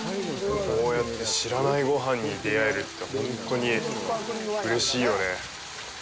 こうやって、知らないごはんに出会えるって本当にうれしいよね。